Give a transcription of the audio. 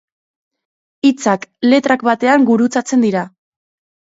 Hitzak letrak batean gurutzatzen dira.